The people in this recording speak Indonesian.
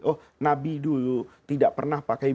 oh nabi dulu tidak pernah pakai